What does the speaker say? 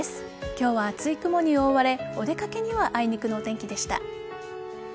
今日は厚い雲に覆われお出かけにはあいにくのお天気でした。